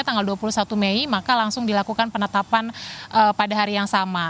tanggal dua puluh satu mei maka langsung dilakukan penetapan pada hari yang sama